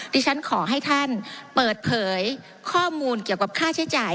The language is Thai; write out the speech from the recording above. ดิฉันขอให้ท่านเปิดเผยข้อมูลเกี่ยวกับค่าใช้จ่าย